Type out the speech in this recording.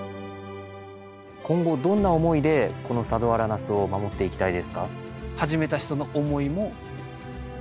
今後どんな思いでこの佐土原ナスを守っていきたいですか？